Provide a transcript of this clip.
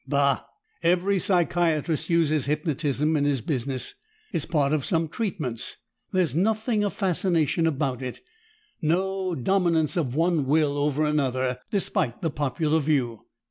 "Bah! Every psychiatrist uses hypnotism in his business; it's part of some treatments. There's nothing of fascination about it; no dominance of one will over another, despite the popular view.